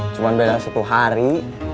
cuma beda satu hari